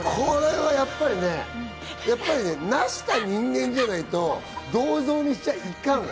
やっぱり成した人間じゃないと、銅像にしちゃいかんわ。